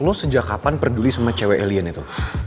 lu sejak kapan peduli sama cewek alien itu